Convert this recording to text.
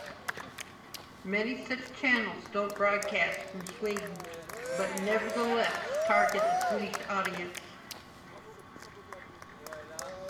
Many such channels don't broadcast from Sweden, but nevertheless target a Swedish audience.